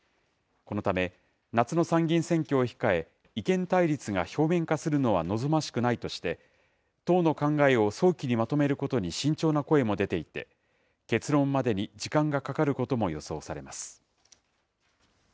このため、夏の参議院選挙を控え、意見対立が表面化するのは望ましくないとして、党の考えを早期にまとめることに慎重な声も出ていて、結論までに時間がかかることも予想されます。